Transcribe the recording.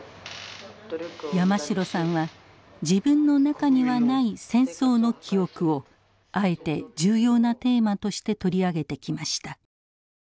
山城さんは自分の中にはない「戦争」の記憶をあえて重要なテーマとして取り上げてきました。